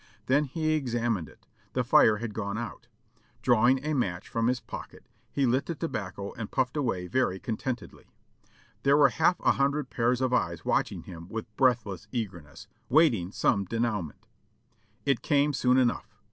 Then he examined it; the fire had gone out. Drawing a match from his pocket he lit the tobacco and puffed away very contentedly. There were half a hundred pairs of eyes w^atching him with breathless eagerness, waiting some denouement. It came soon enough !